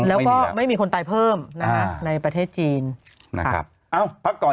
แล้วก็ไม่มีคนตายเพิ่มนะฮะในประเทศจีนนะครับเอ้าพักก่อน